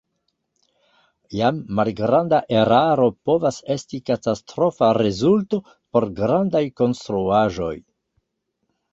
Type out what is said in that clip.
Jam malgranda eraro povas esti katastrofa rezulto por grandaj konstruaĵoj.